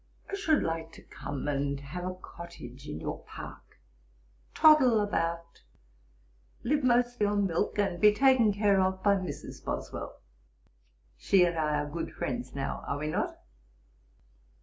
I should like to come and have a cottage in your park, toddle about, live mostly on milk, and be taken care of by Mrs. Boswell. She and I are good friends now; are we not?'